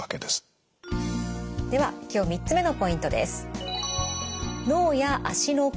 では今日３つ目のポイントです。